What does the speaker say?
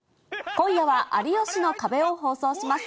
今夜は有吉の壁を放送します。